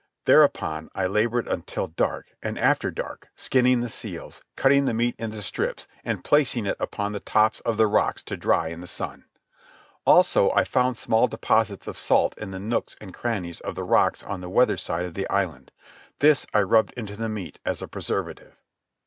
Thereupon I laboured until dark, and after dark, skinning the seals, cutting the meat into strips, and placing it upon the tops of rocks to dry in the sun. Also, I found small deposits of salt in the nooks and crannies of the rocks on the weather side of the island. This I rubbed into the meat as a preservative.